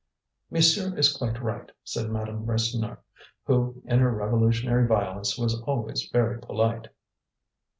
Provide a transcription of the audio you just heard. "Monsieur is quite right," said Madame Rasseneur, who, in her revolutionary violence, was always very polite.